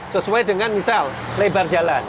sesuai dengan misal lebar jalan